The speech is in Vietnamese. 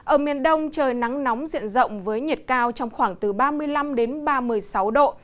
ở miền đông trời nắng nóng diện rộng với nhiệt cao trong khoảng từ ba mươi năm đến ba mươi sáu độ